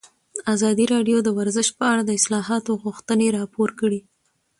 ازادي راډیو د ورزش په اړه د اصلاحاتو غوښتنې راپور کړې.